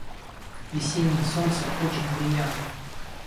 Весеннее солнце очень приятно.